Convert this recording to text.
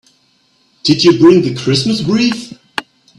Did you bring the Christmas wreath?